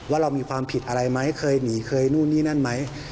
ว่าเรามีความผิดอะไรไหมเคยหนีเคยนู่นนี่นั่นไหม